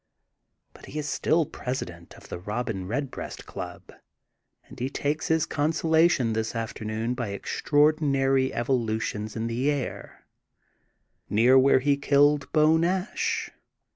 But he i^ still president of the Robin Red breast Club and he takes his consolation this afternoon by extraordinary evolutions in the air, near where he killed Beau Nash.